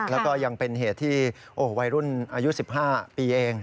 แล้วก็ยังเป็นเหตุที่วัยรุ่นอายุ๑๕ปีเอง